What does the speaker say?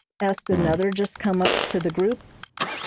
asked another, just come up to the group.